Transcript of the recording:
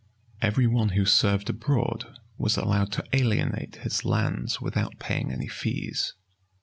Every one who served abroad was allowed to alienate his lands without paying any fees.